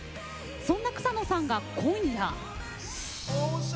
そんな草野さんが今夜。